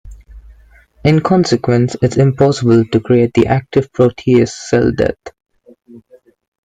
In consequence it's impossible to create the active protease cell death.